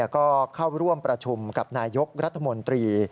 ก็เข้าร่วมประชุมกับนายกรัฐมนตรี